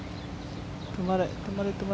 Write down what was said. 止まれ。